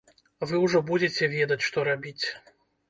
Вы ўжо будзеце ведаць, што рабіць.